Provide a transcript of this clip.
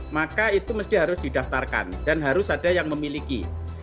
maka itu mesti harus didaftarkan dan harus ada yang memiliki